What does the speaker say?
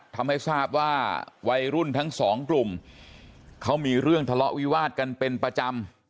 ทำให้ทราบว่าวัยรุ่นทั้งสองกลุ่มเขามีเรื่องทะเลาะวิวาดกันเป็นประจำ